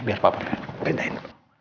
biar papa pendahin